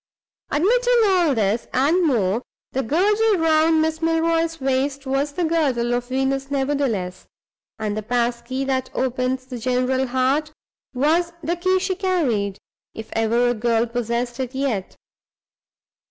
Admitting all this, and more, the girdle round Miss Milroy's waist was the girdle of Venus nevertheless; and the passkey that opens the general heart was the key she carried, if ever a girl possessed it yet.